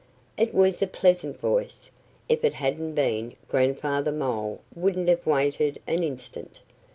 It was a pleasant voice. If it hadn't been, Grandfather Mole wouldn't have waited an instant.